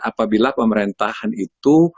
apabila pemerintahan itu